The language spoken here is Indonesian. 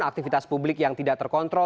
aktivitas publik yang tidak terkontrol